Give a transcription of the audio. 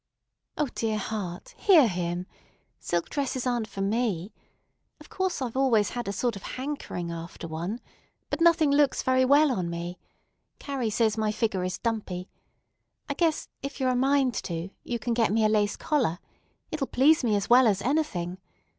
"O dear heart! Hear him! Silk dresses aren't for me. Of course I've always had a sort of hankering after one, but nothing looks very well on me. Carrie says my figure is dumpy. I guess, if you're a mind to, you can get me a lace collar. It'll please me as well as anything.